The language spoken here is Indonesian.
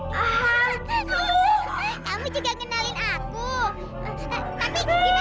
kamu juga ngenalin aku